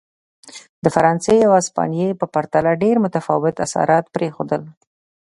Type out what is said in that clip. د فرانسې او هسپانیې په پرتله ډېر متفاوت اثرات پرېښودل.